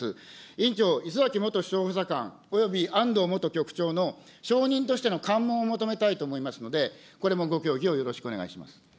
委員長、礒崎元首相補佐官およびあんどう元局長の証人としての喚問を求めたいと思いますので、これもご協議をよろしくお願いします。